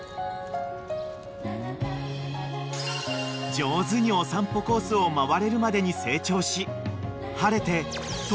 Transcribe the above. ［上手にお散歩コースを回れるまでに成長し晴れて］